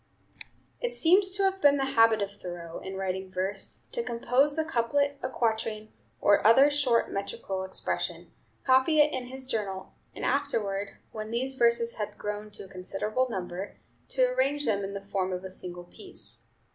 It seems to have been the habit of Thoreau, in writing verse, to compose a couplet, a quatrain, or other short metrical expression, copy it in his journal, and afterward, when these verses had grown to a considerable number, to arrange them in the form of a single piece.